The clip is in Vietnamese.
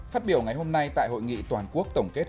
phát biểu ngày hôm nay tại hội nghị toàn quốc tổng kết quốc tế